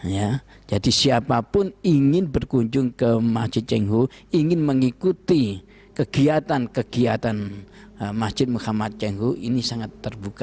ya jadi siapapun ingin berkunjung ke masjid cengho ingin mengikuti kegiatan kegiatan masjid muhammad cengho ini sangat terbuka